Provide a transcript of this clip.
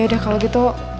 yaudah kalau gitu